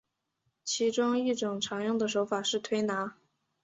其中一种常用的手法是推拿。